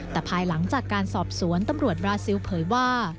แต่ภายหลังจากการสอบสวนตำรวจบราซิลเผยว่า